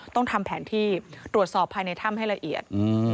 ต้องทำแผนที่ตรวจสอบภายในถ้ำให้ละเอียด